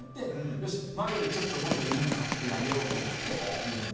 よし前よりもっといいの買ってあげようと思って自分に。